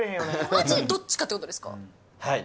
まじで、どっちかってことではい。